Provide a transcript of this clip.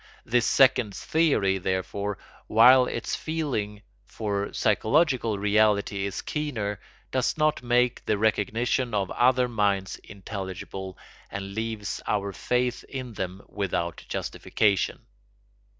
This second theory, therefore, while its feeling for psychological reality is keener, does not make the recognition of other minds intelligible and leaves our faith in them without justification.